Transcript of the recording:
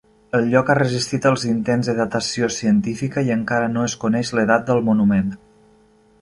El lloc ha resistit els intents de datació científica i encara no es coneix l'edat del monument.